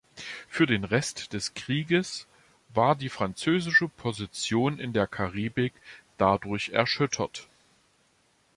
Für den Rest des Krieges war die französische Position in der Karibik dadurch erschüttert.